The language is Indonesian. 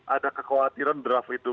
ada kekhawatiran draft itu